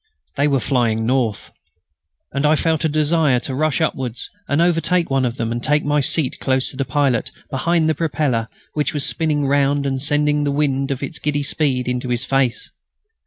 They were flying north. And I felt a desire to rush upwards and overtake one of them and take my seat close to the pilot, behind the propeller which was spinning round and sending the wind of its giddy speed into his face.